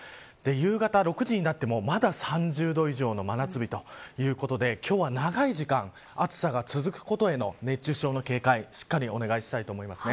夕方６時になってもまだ３０度以上の真夏日ということで今日は長い時間暑さが続くことへの熱中症への警戒、しっかりお願いしたいと思います。